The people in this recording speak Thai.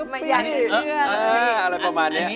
ไม่อยากให้เชื่อ